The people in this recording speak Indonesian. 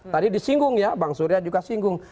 tadi disinggung ya bang surya juga singgung